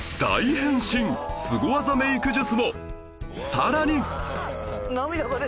さらに